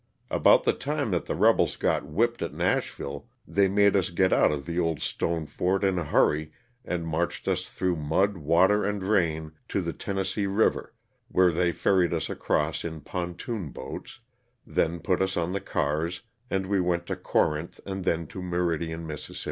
About the time that the rebels got whipped at Nashville they made us get out of the old stone fort in a hurry and marched us through mud, water and rain, to the Tennessee river, where they ferried us across in pontoon boats, then put us on the cars, and we went to Corinth and then to Meridian, Miss.